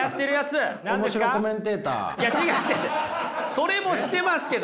それもしてますけど！